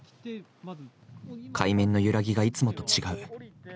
「海面のゆらぎがいつもと違う」